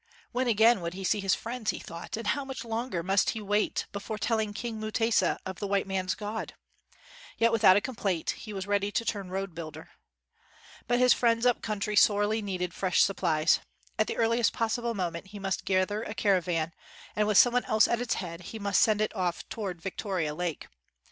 When again would he see his friends, he thought, and how much longer must he wait before telling King Mutesa of the white man 's God % Yet, without a com plaint, he was ready to turn road builder. But his friends up country sorely needed fresh supplies. At the earliest possible mo ment, he must gather a caravan and, with some one else at its head, he must send it off toward Victoria Lake.